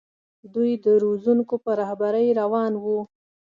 دوی د روزونکو په رهبرۍ روان وو.